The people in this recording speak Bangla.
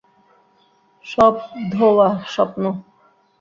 সব ধোঁওয়া, স্বপ্ন।